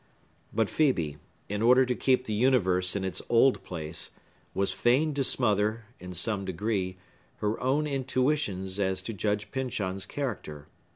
But Phœbe, in order to keep the universe in its old place, was fain to smother, in some degree, her own intuitions as to Judge Pyncheon's character.